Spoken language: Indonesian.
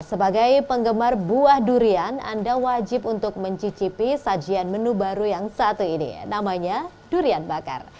sebagai penggemar buah durian anda wajib untuk mencicipi sajian menu baru yang satu ini namanya durian bakar